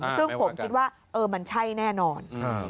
ซึ่งผมคิดว่ามันใช่แน่นอน